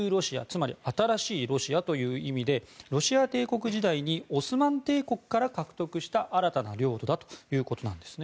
つまり新しいロシアという意味でロシア帝国時代にオスマン帝国から獲得した新たな領土だということです。